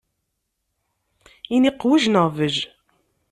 Ini: qwej neɣ bej!